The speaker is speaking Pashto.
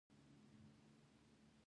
د دایکنډي په ګیتي کې د څه شي نښې دي؟